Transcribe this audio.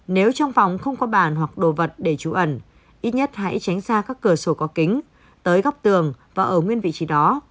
nếu trong phòng không có bản hoặc đồ vật để trú ẩn ít nhất hãy tránh xa các cửa sổ có kính tới góc tường và ở nguyên vị trí đó